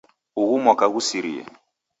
Ughu mwaka ghusirie.